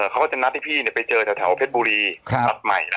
เขาก็จะนัดให้พี่ไปเจอแถวเพชรบุรีรัฐใหม่